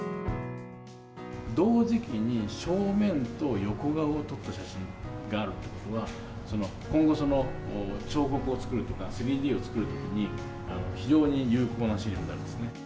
同時期に正面と横顔を撮った写真があるということは、今後、彫刻を作るとか、３Ｄを作るときに、非常に有効な資料になるんですね。